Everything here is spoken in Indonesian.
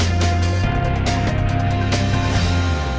pertanyaannya adalah hidup matinya sebuah bangsa